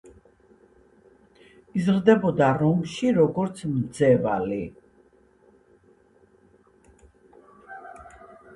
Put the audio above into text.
იზრდებოდა რომში, როგორც მძევალი.